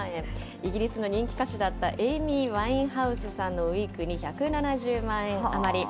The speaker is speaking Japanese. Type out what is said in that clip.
イギリスの人気歌手だったエイミー・ワインハウスさんのウイッグに１７０万円余り。